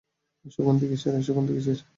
এই সুগন্ধি কিসের?